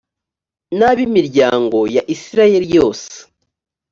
n ab imiryango ya isirayeli yose